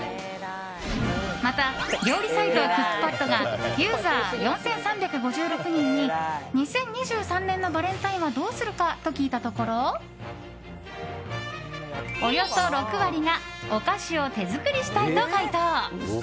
また、料理サイトクックパッドがユーザー４３５６人に２０２３年のバレンタインはどうするか？と聞いたところおよそ６割がお菓子を手作りしたいと回答。